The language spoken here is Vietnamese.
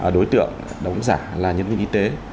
đối tượng đó cũng giả là nhân viên y tế